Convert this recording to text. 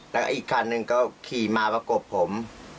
แล้วก็อีกคันหนึ่งก็ขี่มาประกบผม